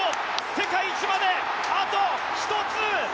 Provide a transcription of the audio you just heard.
世界一まであと１つ！